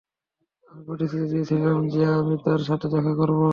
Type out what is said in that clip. আমি প্রতিশ্রতি দিয়েছিলাম যে আমি তার সাথে দেখা করবো।